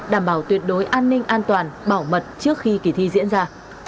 đảm bảo tuyệt đối an ninh an toàn bảo mật trước khi kỳ thi diễn ra